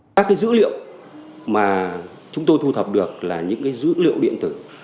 các dữ liệu mà chúng tôi thu thập được là những dữ liệu điện tử